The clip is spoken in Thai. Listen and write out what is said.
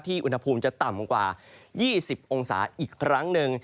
อุณหภูมิจะต่ำกว่า๒๐องศาอีกครั้งหนึ่ง